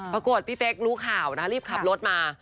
ปรากฏพี่เป๊กรู้ข่าวนะรีบขับรถมา